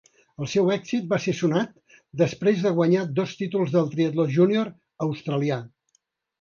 El seu èxit va ser sonat després de guanyar dos títols del triatló júnior australià.